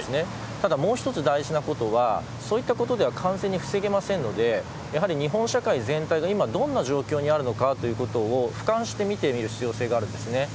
ただ、もう一つ大事なことはそういったことでは完全に防げませんのでやはり日本社会全体が今どんな状況にあるかということを俯瞰して見る必要性があるんです。